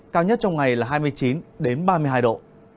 cao nhất trong ngày là hai mươi chín ba mươi hai độ